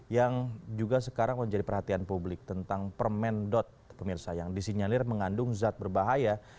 yang juga sekarang menjadi perhatian publik tentang permen pemirsa yang disinyalir mengandung zat berbahaya